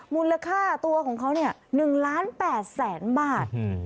มูลค่าตัวของเขาเนี่ยหนึ่งล้านแปดแสนบาท